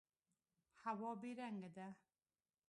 هوا بې رنګه ده.